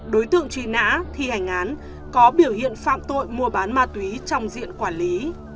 đối tượng truy nã thi hành án có biểu hiện phạm tội mua bán ma túy trong diện quản lý